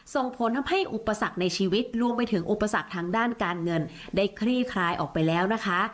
ส่งผลทำให้อุปสรรคในชีวิตรวมไปถึงอุปสรรคทางด้านการเงินได้คลี่คลายออกไปแล้วนะคะ